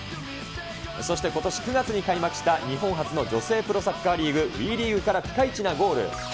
そしてことし９月に開幕した日本初の女性プロサッカーリーグ・ＷＥリーグからピカイチなゴール。